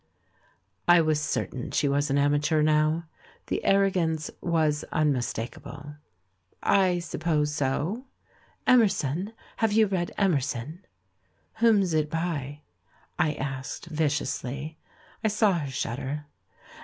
I was certain she was an amateur now, the arrogance was unmistakable. "I suppose so." "Emerson — Have you read Emerson?" "Whom's it by?" I asked \dciously. I saw her shudder.